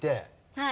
はい。